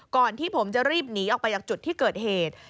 ก่อนที่ผมจะรีบหนีออกไปจากจุดที่เกิดเหตุ